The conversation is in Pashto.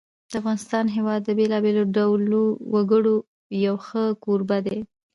د افغانستان هېواد د بېلابېلو ډولو وګړو یو ښه کوربه دی.